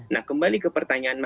nah kembali ke pertanyaannya